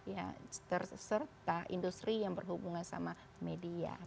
ya serta industri yang berhubungan sama media